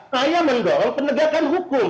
saya mendorong penegakan hukum